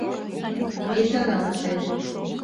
— петыралте.